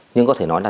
nhưng có thể nói là